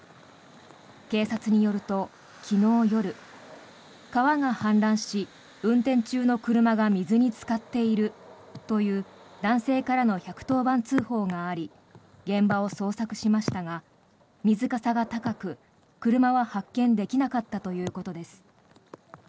警察によると、昨日夜川が氾濫し、運転中の車が水につかっているという男性からの１１０番通報があり現場を捜索しましたが水かさが高く車は発見できなかったということです。